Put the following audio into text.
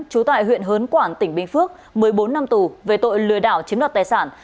trú tại huyện hớn quản tỉnh bình phước một mươi bốn năm tù về tội lừa đảo chiếm đoạt tài sản